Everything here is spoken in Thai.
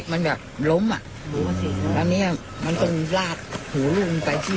มันต้องลาดหัวลุงไปที่